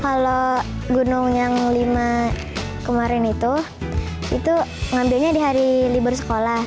kalau gunung yang lima kemarin itu itu ngambilnya di hari libur sekolah